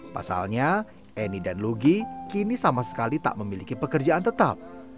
pasalnya eni dan lugi kini sama sekali tak memiliki pekerjaan tetap